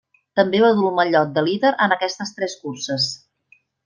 També va dur el mallot de líder en aquestes tres curses.